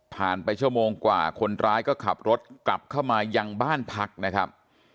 ไปชั่วโมงกว่าคนร้ายก็ขับรถกลับเข้ามายังบ้านพักนะครับ